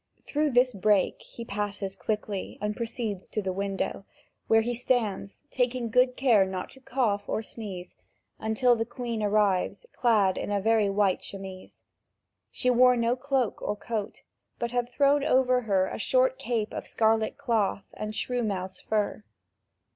Through this break he passes quickly and proceeds to the window, where he stands, taking good care not to cough or sneeze, until the Queen arrives clad in a very white chemise. She wore no cloak or coat, but had thrown over her a short cape of scarlet cloth and shrew mouse fur.